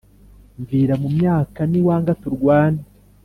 mvira mu myaka niwanga turwane”.